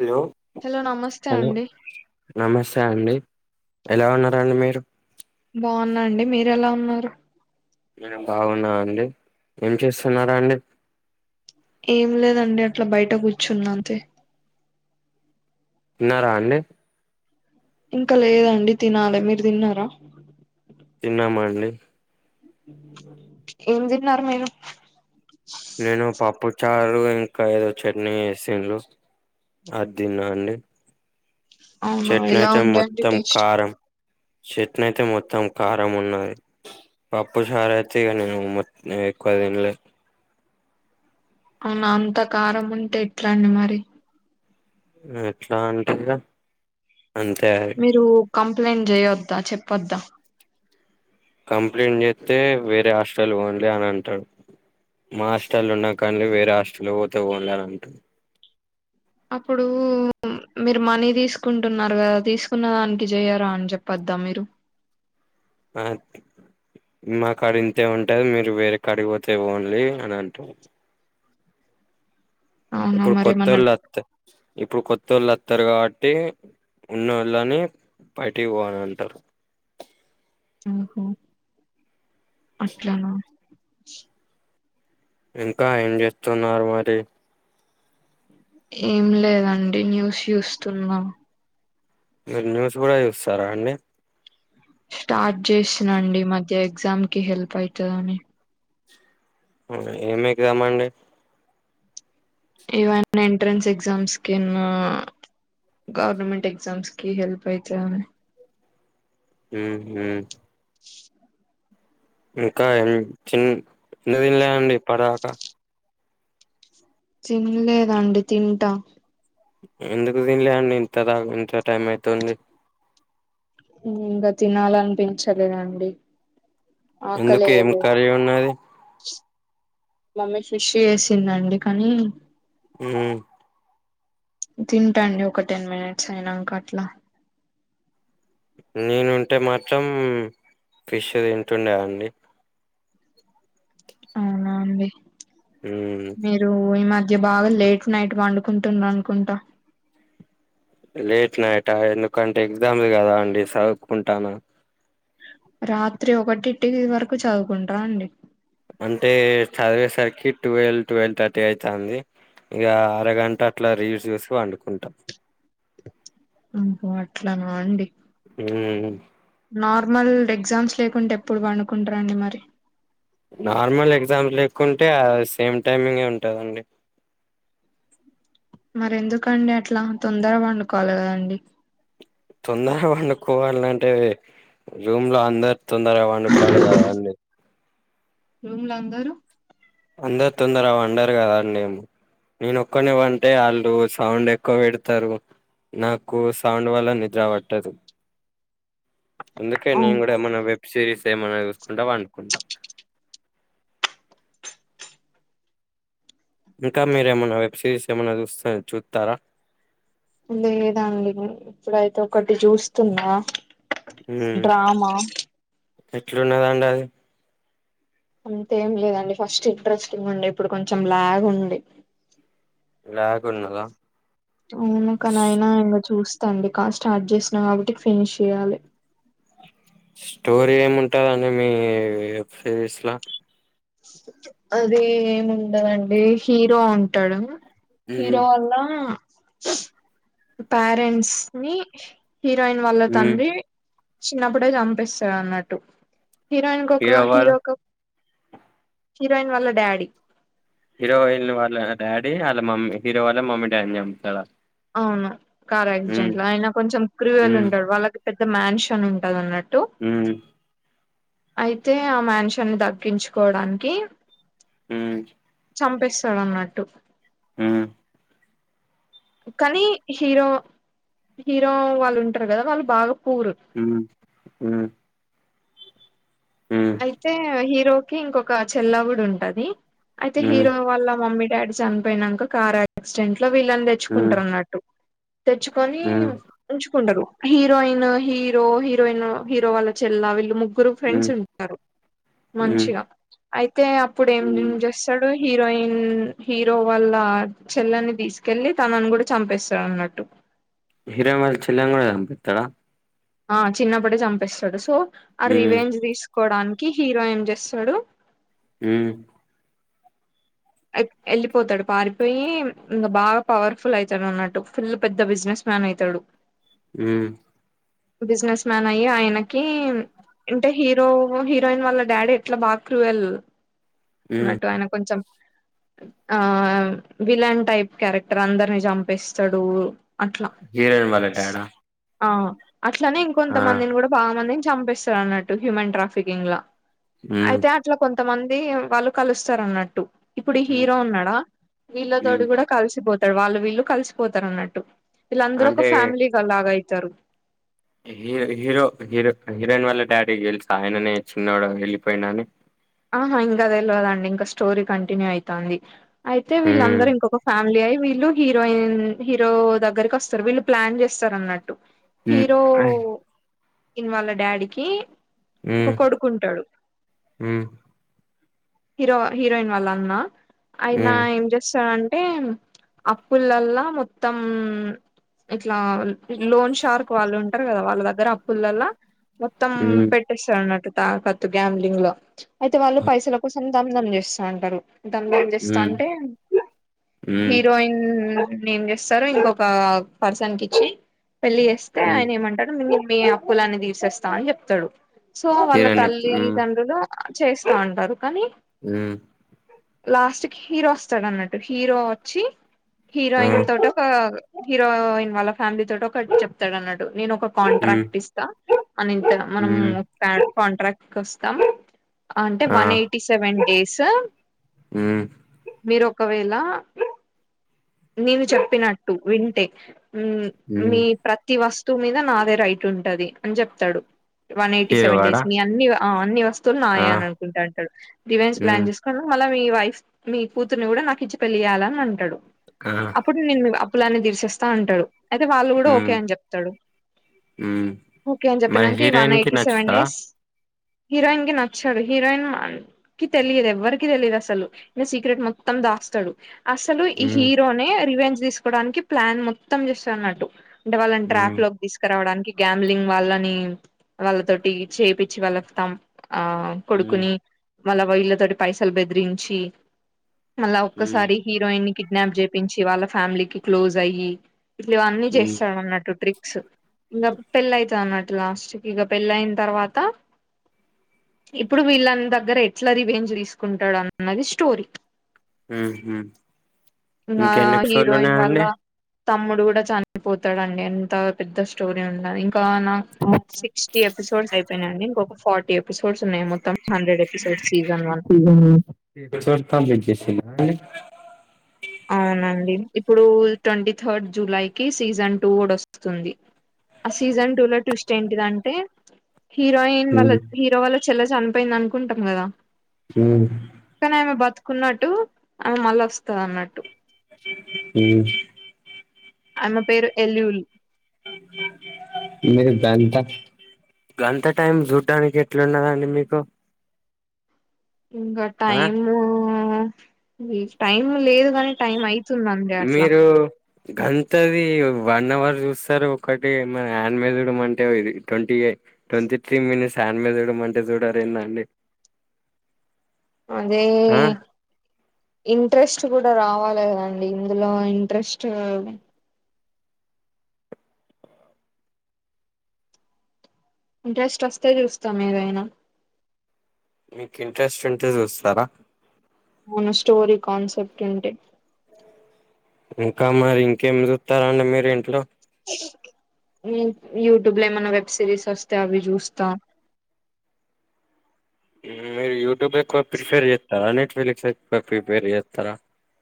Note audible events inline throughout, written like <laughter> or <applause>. Hello hello నమస్తే hello అండి నమస్తే అండి ఎలా ఉన్నారండి మీరు బాగున్నాండి మీరు ఎలా ఉన్నారు నేను బాగున్నా అండి ఏం చేస్తున్నారు అండి ఏం లేదండి అట్లా బయట కూర్చున్న అంతే తిన్నారా అండి ఇంకా లేదండి తినాలి మీరు తిన్నారా తిన్నామండి ఏం తిన్నారు మీరు నేను పప్పు చారు ఇంకా ఏదో చట్నీ చేసిండ్రు అ తిన్నా నండి. అవునా ఎలా చెట్నయితే ఉందండి మొత్తం టేస్ట్ కారం చెట్న అయితే మొత్తం కారం ఉన్నది. పప్పు చార్ అయితే ఇగ నేను మొ ఎక్కువ దినలే అవునా అంత కారం ఉంటే ఎట్లాండి మరి. ఎట్లా అంటు అంతే అది మీరు కంప్లైంట్ చేయొద్దా చెప్పొద్దా. కంప్లీంట్ చేస్తే వేరే హాస్టల్ కి పోన్లే అని అంటాడు. మా హస్టర్లు ఉన్నా కండి. వేరే హస్టల్లోకి పోతే పోనలే అంటాడు. అప్పుడు మీరు మనీ తీసుకుంటున్నారు కదా తీసుకున్న దానికి చేయరాా అని చెప్పొద్దా మీరు ఆ మా కాడ ఇంతే ఉంటది మీరు వేరే కాడికి పోతే పోన్లీ అని అంటాారు. అవునా ఇప్పుడు కొత్త మరేమన్నా వాళ్ళు వత్తే ఇప్పుడు కొత్త వాళ్ళు వస్తారు కాబట్టి. ఉన్న వాళ్ళనే బయటకి పోవ్వాల అంటారు. ఆఓహో అట్లా ఇంకా ఏం చేస్తున్నారు మరి. ఏం లేదండి న్యూస్ చూస్తున్నాం. మీరు న్యూస్ కూడా చూస్తారా అండి. స్టార్ట్ చేసినండి మధ్య ఎగ్జామ్ కి హెల్ప్ అతుందిని. ఏమై ఎగ్జామ్ ఆండీ. ఈవన్ ఎంట్రెన్స్ ఎగ్జామ్స్ కిన్నా. గవర్నమెంట్ ఎగ్జామ్స్ కి హెల్ప్ అయితధని. హు హు <unintelligible> ఇంకా చి చిన్నదిన్లే అండి ఇప్పటిదాకా <unintelligible> తినలేదండి తింటా. ఎందుకు తినిలే అండి ఇంత దా ఇంత టైం అయితేంది. ఇంగా తినాలనిపించలేదండి ఎందుకు ఏం ఆకలియలేదు. కర్రీ ఉన్నది మమ్మీ ఫిష్ చేసిందండి కానీ. ఉ <unintelligible> తింటండి ఒక టెన్ మినిట్స్ అయినాక అట్లా. నేనుంటే మాత్రం ఫిష్ తింటుండే అండి. అవునా అండి. హుం నువు ఈ మధ్య బాగా లేట్ నైట్ పండుకుంటున్నావ్ అనుకుంటా. లేట్ నైట్ఆ ఎందుకంటే ఎగ్జామ్ది కదా అండి చదువుకుంటాను. రాత్రి ఒకటిటి వరకు చదువుకుంటా అండి. అంటే చదివేసరికి ట్వెల్వ్ ట్వెల్వ్ థర్టీ అవుతుంది. ఇక అరగంట అట్లా రీల్స్ చూసి వండుకుంటా. అబ అట్లాన అండి. హ నార్మల్ ఎగ్జామ్స్ లేకుంటే ఎప్పుడు పండుకుంటార అండి మరి. నార్మల్ ఎగ్జామ్స్ లేక్కుంటే సేమ్ టైమింగ్యే ఉంటుదండి. మరి ఎందుకండి అట్లా తొందరగా పండుకోవాలి కదండి. తొందరగా వండుకోవాల అంటే రూమ్ లో అందరు తొందరగా వండుకోవాలి కదాండి. రూమ్ లో అందరుూ. అందరు తొందర పండరు కదాండి నేను ఒక్కన్నే పంటే వాళ్ళు సౌండ్ ఎక్కువ పెడతారు నాకు సౌండ్ వల్ల నిద్ర పట్టదు అందుకే నేను కూడా అవునా ఏమన్నా వెబ్ సిరీస్ ఏమన్నా చూసుకుంటా పనుకుంటా ఇంకా మీరు ఏమన్నా వెబ్ సిరీస్ ఏమన్నా చూస్త చుత్తార లేదండి ఇప్పుడైతే ఒకటి చూస్తున్నా ఉ డ్రామా ఎట్లున్నదండి అది అంతేం లేదండి ఫస్ట్ ఇంట్రెస్టింగ్ ఉండే ఇప్పుడు కొంచెం లాగ్ ఉంది లాగ్ ఉన్నదా అవును కనైనా ఇంకా చూస్తాండి కా స్టార్ట్ చేసిన కాబట్టి ఫినిష్ చెయ్యాలి స్టోరీ ఏముంటదండి మీ వెబ్ సిరీస్ లో అదే ఏముండదండి హీరో ఉంటాడు హీరో వాళ్ల పేరెంట్స్ ని హీరోయిన్ వాళ్ళ తండ్రి చిన్నప్పుడే చంపిస్తాడు అన్నట్టు హీరోయిన్కి ఒక హీరో ఒక హీరోయిన్ వాళ్ళ డాడీ హీరోయిన్ వాళ్ళ డాడీ వాళ్ళ మమ్మీ హీరో వాళ్ళ మమ్మీ డాడీని చంపుతాడ అవును కార్ యాక్సిడెంట్ లో అయిన కొంచెం క్రూరియల్ ఉమ్, ఉంటడు వాళ్ళకి పెద్ద మ్యాన్షన్ ఉంటది అన్నట్టు ఉ అయితే ఆ మ్యాన్షన్ని దగ్గించుకోవడానికి ఉ చంపిస్తాడు అన్నట్టు ఉ కనీ హీరో హీరో వాళ్ళు ఉంటారు కదా వాళ్ళు బాగా పూర్ ఉ ఉ అయితే హీరోకి ఇంకొక చెల్లె గూడ ఉంటది అయితే ఉమ్, హీరో వాళ్ళ మమ్మీ డాడీ చనిపోయినాక కార్ యాక్సిడెంట్ లో వీళ్ళంద ఉమ్, తెచ్చుకుంటారు అన్నట్టు తెచ్చుకొని ఉమ్, ఉంచుకుంటారు హీరోయిన్ హీరో హీరోయిన్ హీరో వాళ్ళ చెల్ వీళ్ళు ముగ్గురు ఫ్రెండ్స్ ఉమ్, ఉన్ టరు ఉమ్, మంచిగా అయితే అప్పుడు ఏం ఉమ్. జస్ అతడు హీరోయిన్ హీరో వాళ్ళ చెల్లని తీసుకెళ్లి తనను కూడా చంపేస్తాడు అన్నట్టు హీరో వాళ్ల చెల్లిని కూడా చంపిత్తాడ ఆ చిన్నప్పుడే చంపిస్తాడు సో ఆ రివెంజ్ తీసుకోవడానికి హీరో ఏం చేస్తాడు ఉ వెళ్ళిపోతాడు పారిపోయి ఇంకా బాగా పవర్ఫుల్ అవుతాడు అన్నట్టు ఫుల్ పెద్ద బిజినెస్ మ్యాన్ అయితాడు ఉ బిజినెస్ మ్యాన్ అయి ఆయనకి అంటే హీరో హీరోయిన్ వాళ్ళ డాడీ ఎట్లా బాగా క్రూయల్ హ్మ్. అన్నట్టు ఆయన కొంచెం ఆ విలన్ టైప్ క్యారెక్టర్ అందరిని చంపిస్తాడు అట్లా హీరోయిన్ వాళ్ళ డాడా? ఆ అట్లనే ఇంకొంత ఆ! మందిని కూడా బాగానే చంపిస్ తడు అన్నట్టు హ్యూమన్ ట్రాఫికింగ్ లా హ్మ్. అయితే ఇట్ల కొంతమంది వాళ్ళు కలుస్తారు అన్నట్టు ఇప్పుడు ఈ హ్మ్. హీరో ఉన్నాడా వీళ్ళతోడు హ్మ్. కూడా కలిసిపోతాడు వాళ్ళు వీళ్ళు కలిసిపోతారు అన్నట్టు వీళ్ళందరూ ఒక అంటే ఫ్యామిలీ గా లాగ అయితారు హీ హీరో హీరో హీరోయిన్ వాళ్ళ డాడీకి తెలుసా ఆయననే చిన్నోడు ఎల్లిపోయిండని ఆహా ఇంకా తెలియదండి ఇంకా స్టోరీ కంటిన్యూ అవుతుంది అయితే హ్మ్. వీళ్ళందరూ ఇంకొక ఫ్యామిలీ అయి వీళ్ళు హీరోయిన్ హీరో దగ్గరికి వస్తారు వీళ్ళు ప్లాన్ చేస్తారు అన్నట్టు హ్మ్. ఆయ్ హీరోయిన్ వాళ్ళ డాడీకి ఒక కొడుకు ఉంటాడు హ హీరో హీరోయిన్ వాళ్ల అన్నా అయిన హ్మ్. ఏం చేస్తారంటే అప్పులల్లా మొత్తం ఇట్లా లోన్ షార్క్ వాళ్ళు ఉంటారు కదా వాళ్ళ దగ్గర అప్పులల్ల మొత్తం హ్మ్. పెట్టేస్తారు అన్నట్టు తాకత్తు గ్యామ్లింగ్ లో అయితే వాళ్ళు పైసలు దమ్ధమ్ చేస్తా అంటారు దమ్ దమ్ చేస్తా హ్మ్. అంటే హ్మ్. హీరోయిన్ ఏం చేస్తారు ఇంకొక పర్సన్ కి ఇచ్చి పెళ్ళి చేస్త అయితే హ్మ్. ఆయన ఏమంటాడు మీ మీ అప్పులన్నీ తీరుసేస్తా అని చెప్తాడు సో వాళ్ళ హీరోయిన్ తల్లి హ్మ్. తండ్రులు చేస్తా అంటారు కానీ అ లాస్ట్ కి హీరో వస్తాడన్నట్టు హీరో వచ్చి ఆ! హీరోయిన్ తోటి ఒక హీరోయిన్ వాళ్ళ ఫ్యామిలీ తోటి ఒకటి చెప్తాడు అన్నట్టు నేను ఒక హ్మ్. కాంట్రాక్ట్ ఇస్తాం అని ఇంత మనం హ్మ్. కాంట్రాక్ట్ కి వస్తాం అంటే ఆ! వన్ ఎయిటీ సెవెన్ డేస్ ఆ మీరు ఒకవేళ నేను చెప్పినట్టు వింటే హ్మ్. మీ ప్రతి వస్తువు మీద నాదే రైట్ ఉంటది అని చెప్తాడు వన్ ఎయిటీ హీరో సెవెన్ వాడా? డేస్ మీ అన్ని అన్ని వస్తువులు ఆ! నాయే అని అనుకుంటా అంటాడు రివేంజ్ ప్లాన్ హ్మ్. చేసి మళ్ళా మీ వైఫ్ మీ కూతుర్ని కూడా నాకు ఇచ్చి పెళ్లియాల అని అంటాడు ఆ అప్పుడు నేను మీ అప్పులన్నీ తీర్సేస్తా అంటాడు అయితే వాళ్ళు కూడా ఓకే హ్మ్. అని చెప్తాడు హ్మ్. ఓకే అని మరి చెప్పినంక ఈ వన్ హీరోయిన్‌కి ఎయిటీ సెవెన్ నచ్చుతదా? డేస్ హీరోయిన్ కి నచ్చాడు హీరోయిన్ కీ తెలియదు ఎవరికి తెలియదు అసలు ఈనె సీక్రెట్ మొత్తం దాస్తాడు అసలు ఈ హ్మ్. హీరోనే రివెంజ్ తీసుకోవడానికి ప్లాన్ మొత్తం చేస్తడు అన్నట్టు అంటే వాళ్ళని ట్రాప్ హ్మ్. లోకి తీసు రావడానికి గ్యామ్లింగ్ వాళ్ళని వాళ్ళతోటి చేపిచ్చి వళస్తాం ఆ హ్మ్. కొడుకుని మళ్ళ వీళ్ళతోటి పైసలు బెదిరించి మళ్ళా హ్మ్. ఒక్కసారి హీరోయిన్ ని కిడ్నాప్ చేపించి వాళ్ళ ఫ్యామిలీకిి క్లోజ్ అయ్యి ఇవన్నీ హ్మ్. చేస్తాడు అన్నట్టు ట్రిక్స్ ఇంక పెళ్ళి అవుతుంది అన్నట్టు లాస్ట్ కి ఇక పెళ్ళి అయిన తర్వాత ఇప్పుడు వీళ్ళని దగ్గర ఎట్ల రివేంజ్ చేసుకుంటాడు అన్నది స్టోరీ ఆహ ఆ హీరోయిన్ వాళ్ళ తమ్ముడు కూడా చనిపోతాడు అండి ఎంత పెద్ద స్టోరీ ఉంది అండి ఇంకా నా సిక్స్టీ ఎపిసోడ్స్ అయిపోయినండి ఇంకొక ఫార్టీ ఎపిసోడ్స్ ఉన్నాయి మొత్తం హండ్రెడ్ ఎపిసోడ్స్ సీజన్ వన్ ఉమ్ ఒక్కసారి కంప్లీట్ చేసిండ్ల అండి అవునండి ఇప్పుడు ట్వంటీ థర్డ్ జూలైకి సీజన్ టూ కూడా వస్తుంది ఆ సీజన్ టూ లో ట్విస్ట్ ఏంటిదంటే హీరోయిన్ ఇ ఉమ్ మల్లన్ హీరో వాళ్ళ చెల్ల చనిపోయింది అనుకుంటాం కదా ఉమ్ పక్కనే ఆమె బతుకున్నట్టు ఆమె మళ్ళ వస్తంది అన్న హ అయమ్మ పేరు ఎల్యూల్ మేరు బేన్ త గంత టైం చూడ్డానికి ఎట్లున్నదండి మీకు? ఇంకా ఆ టైము టైం లేదు కాని టైం అయి మీరు? గంతవి వన్ అవర్ చూస్తారు ఒకటి మన హ్యాండ్ మదడం అంటే ఇది ట్వంటీ ఎ ట్వంటీ త్రీ మిని శాండ్ మీద చూడడం అంటే చూడరు ఏంద అండి అదే ఆ ఇంట్రెస్ట్ కూడా రావాలదండి ఇందులో ఇంట్రెస్ట్ ఇంట్రెస్ట్ వస్తే చూస్తాం ఏదైనా మీకు ఇంట్రెస్ట్ ఉంటే చూస్తారా? మన స్టోరీ కాన్సెప్ట్ ఉంటే ఇంకా మరి ఇంకేం చూత్తారండి మీరు ఇంట్లో? మి యూట్యూబ్ లో ఏమనా వెబ్ సిరీస్ వస్తే అవి చూస్తా మీరు యూట్యూబ్ ఎక్కువ ప్రిపేర్ చేస్తారా, నెట్ఫ్లిక్స్ ఎక్ ప్రిపేర్ చేస్తారా?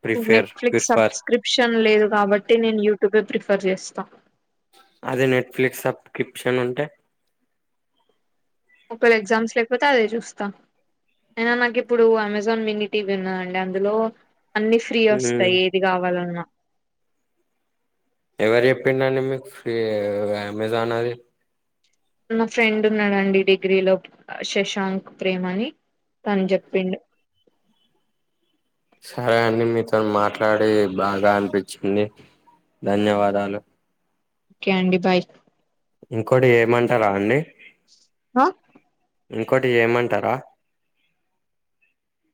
ఫ్ఫ్రిపేర్ ప్ర్రిఫర్ క్రిప్షన్ లేదు కాబట్టి నేను యూట్యూబ్ ప్రిఫర్ చేస్తా అదే నెట్ఫ్లిక్స్ సబ్ క్రిప్షన్ ఉంటే? ఒక ఎగ్జమ్స్ లేకపోతే అదే చూస్తాం అయినా నాకు ఇప్పుడు అమెజాన్ మినీ టీవీ ఉన్నాండి అందులో అన్ని ఫ్రీ మ్మ్. వస్తాయి ఏది కావాలన్నా ఎవరు చెప్పిండ అండి మీకు ఫ్రీ అమెజాన్ అది? నా ఫ్రెండ్ ఉన్నాడండి డిగ్రీ లో శశాంక్ ప్రేమ అని తను చెప్పిండు. సరే అండి మీతో మాట్లాడి బాగా అనిపించింది ధన్యవాదాలు కేండి బాయ్ ఇంకోటి ఏమంటారా అండి? హ ఇంకోటి ఏమంటారా?